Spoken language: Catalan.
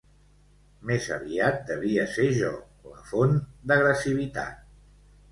Més aviat devia ser jo, la font d'agressivitat.